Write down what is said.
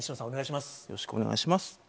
よろしくお願いします。